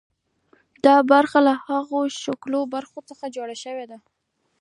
دا برخه له هرم شکلو برخو څخه جوړه شوې ده.